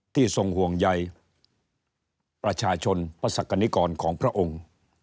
ทรงห่วงใยประชาชนพระศักดิกรของพระองค์